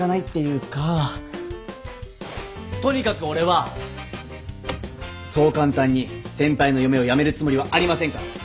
とにかく俺はそう簡単に先輩の嫁をやめるつもりはありませんから。